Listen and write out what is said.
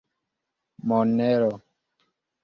Monero.